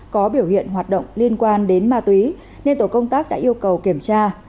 có biểu hiện hoạt động liên quan đến ma túy nên tổ công tác đã yêu cầu kiểm tra